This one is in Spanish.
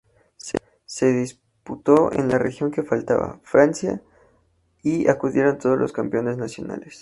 Se disputó en la región que faltaba, Francia, y acudieron todos los campeones nacionales.